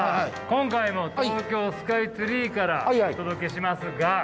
今回も東京スカイツリーからお届けしますが。